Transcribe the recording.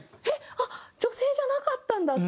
あっ女性じゃなかったんだって。